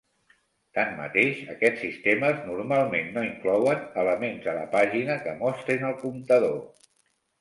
Tanmateix, aquests sistemes normalment no inclouen elements a la pàgina que mostrin el comptador.